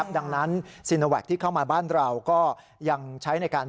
ดังนั้นซีโนแวคที่เข้ามาบ้านเราก็ยังใช้ในการ